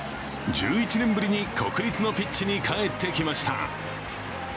１１年ぶりに国立のピッチに帰ってきました。